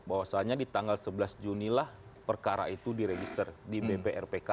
bahwasannya di tanggal sebelas junilah perkara itu diregister di bprpk